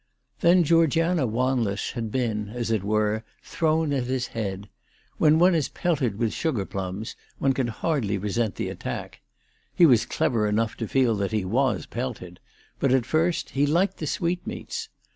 Then Georgiana Wanless had been, as it were, thrown at his head. When one is pelted with sugar plums one can hardly resent the attack. He was clever enough to feel that he was pelted, but at first he liked the sweetmeats.